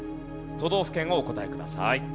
都道府県をお答えください。